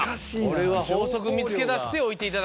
これは法則見つけ出して置いていただきたい。